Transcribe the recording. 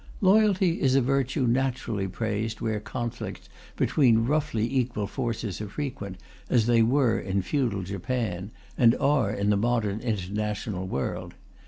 Loyalty is a virtue naturally praised where conflicts between roughly equal forces are frequent, as they were in feudal Japan, and are in the modern international world.